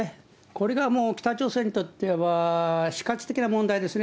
これがもう、北朝鮮にとっては死活的な問題ですね。